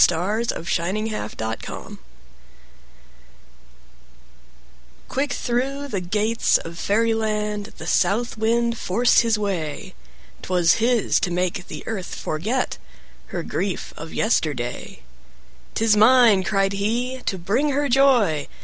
OUT OF DOORS Early Spring Quick through the gates of Fairyland The South Wind forced his way. 'Twas his to make the Earth forget Her grief of yesterday. "'Tis mine," cried he, "to bring her joy!"